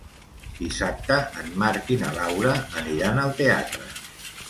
Dissabte en Marc i na Laura aniran al teatre.